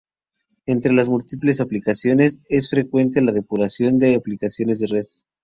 Entre sus múltiples aplicaciones, es frecuente la depuración de aplicaciones de red.